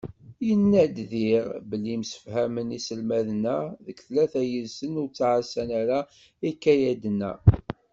Yenna-d diɣ belli msefhamen yiselmaden-a deg tlata yid-sen ur ttɛassan ara ikayaden-a.